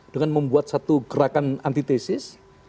dengan membuat satu gerakan antitesis